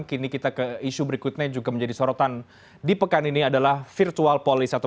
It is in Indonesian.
kini kita ke isu berikutnya juga menjadi sorotan di pekan ini adalah virtual polisi